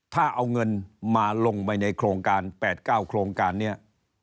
ถ้าเอาเงินมาลงไปในโครงการ๘๙โครงการนี้